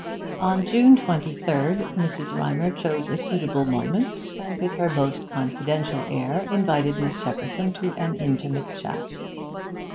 On June 23 Mrs. Rymer chose a suitable moment, and with her most confidential air, invited Miss Shepperson to an intimate chat.